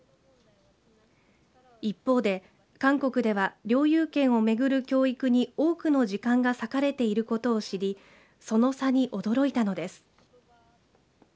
一方で韓国では領有権を巡る教育に多くの時間が割かれていることを知りその差に驚いたのです。